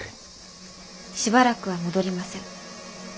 しばらくは戻りません。